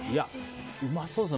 うまそうですね。